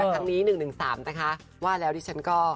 ขั้นนี้๑๑๓แต่ว่าแล้วดิฉันก็